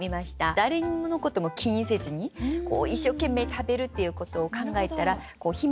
誰のことも気にせずに一生懸命食べるっていうことを考えたらこう飛沫。